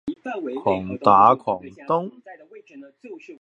狂打狂咚